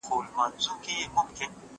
ملګري هم سر نه خلاصوي!